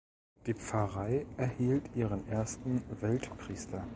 Die Pfarrei erhielt ihren ersten Weltpriester.